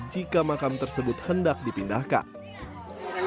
jika makam tersebut hendak dipindahkan